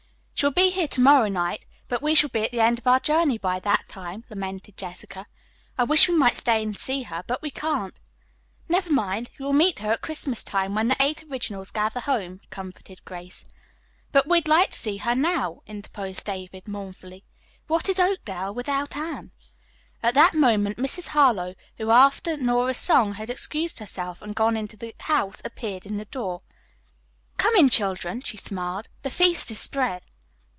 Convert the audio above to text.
"She will be here to morrow night, but we shall be at the end of our journey by that time," lamented Jessica. "I wish we might stay and see her, but we can't." "Never mind, you will meet her at Christmas time, when the Eight Originals gather home," comforted Miriam. "But we'd like to see her now," interposed David mournfully. "What is Oakdale without Anne?" At that moment Mrs. Harlowe, who, after Nora's song, had excused herself and gone into the house, appeared in the door. "Come, children," she smiled, "the feast is spread."